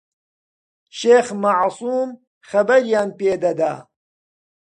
شێخ مەعسووم خەبەریان پێدەدا.